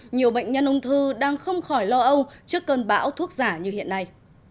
nhiều bệnh nhân ung thư đang không khỏi lo âu trước cơn bão thuốc giả như hiện nay